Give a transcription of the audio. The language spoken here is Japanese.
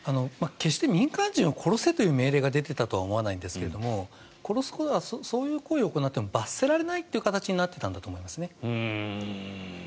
決して民間人を殺せという命令が出ていたとは思わないんですが殺すということはそういう行為を行っても罰せられないという形になっていたんだと思いますね。